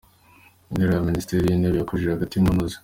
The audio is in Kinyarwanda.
Interuro ya Minisitiri wintebe yakojeje agati mu ntozi